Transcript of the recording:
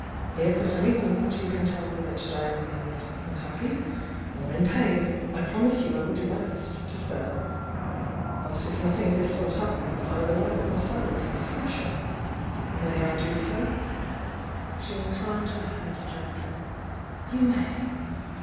If at any moment you can tell me that Diana May is unhappy or in pain, I promise you I will do my best to spare her. But if noth ing of this sort happens I rely on your silence and discretion. May I do so?" She inclined her head gently. "You may!"